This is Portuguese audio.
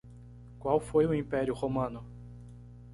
Qual foi o império romano?